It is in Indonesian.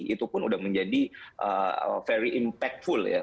itu pun sudah menjadi very impactful ya